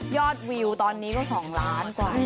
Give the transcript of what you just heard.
ยอดวิวตอนนี้ก็สองล้านกว่า